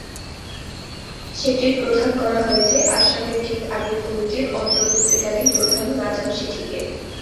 সেটির প্রধান করা হয়েছে আশরাফের ঠিক আগের কমিটির অন্তর্বর্তীকালীন প্রধান নাজাম শেঠিকে।